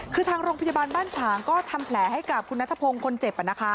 คือทางโรงพยาบาลบ้านฉางก็ทำแผลให้กับคุณนัทพงศ์คนเจ็บ